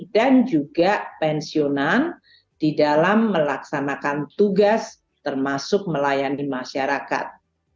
dan juga pensiunan di dalam melaksanakan tugas termasuk melayani masyarakat